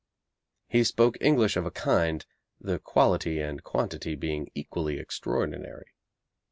He spoke English of a kind, the quality and quantity being equally extraordinary.